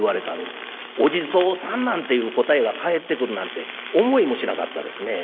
「お地蔵さん」なんていう答えが返ってくるなんて思いもしなかったですね。